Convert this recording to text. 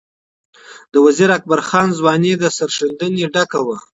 د وزیر اکبر خان ځواني د سرښندنې ډکه وه.